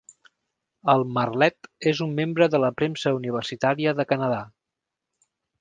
El Martlet és un membre de la premsa universitària de Canadà.